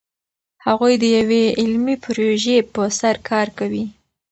هغوی د یوې علمي پروژې په سر کار کوي.